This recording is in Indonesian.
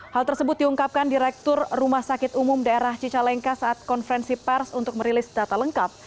hal tersebut diungkapkan direktur rumah sakit umum daerah cicalengka saat konferensi pers untuk merilis data lengkap